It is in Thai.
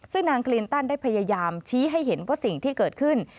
ซึ่งนางคลินตันได้พยายามชี้ให้เห็นว่าสิ่งที่เกิดขึ้น